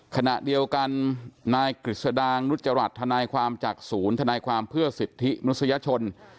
ขณะเดียวกันนายกฤษดางนุจจรัสทนายความจากศูนย์ทนายความเพื่อสิทธิมนุษยชน